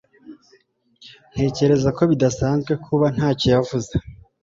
Ntekereza ko bidasanzwe kuba ntacyo yavuze